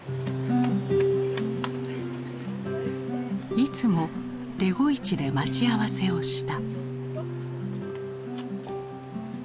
いつもデゴイチで待ち合わせをした。